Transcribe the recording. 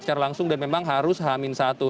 secara langsung dan memang harus hamil satu